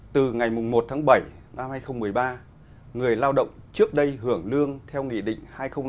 từ ngày một tháng bảy năm hai nghìn một mươi ba người lao động trước đây hưởng lương theo nghị định hai trăm linh